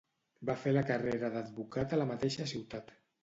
Va fer la carrera d'advocat a la mateixa ciutat.